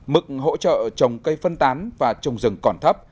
mức hỗ trợ trồng cây phân tán và trồng rừng còn thấp